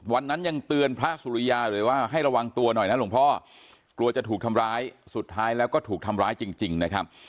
ยังเตือนพระสุริยาเลยว่าให้ระวังตัวหน่อยนะหลวงพ่อกลัวจะถูกทำร้ายสุดท้ายแล้วก็ถูกทำร้ายจริงนะครับ